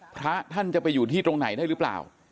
พระท่านจะไปอยู่ที่ตรงไหนได้หรือเปล่า